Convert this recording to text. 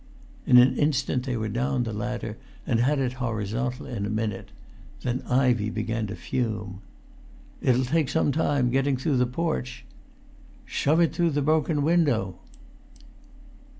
In an instant they were down the ladder, and had it horizontal in a minute. Then Ivey began to fume. "It'll take some time getting through the porch!" "Shove it through the broken window."